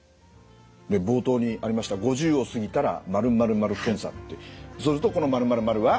冒頭にありました「５０を過ぎたら○○○検査」ってそうするとこの○○○は？